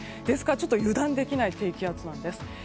ですからちょっと油断できない低気圧です。